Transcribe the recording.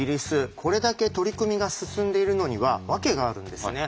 これだけ取り組みが進んでいるのには訳があるんですね。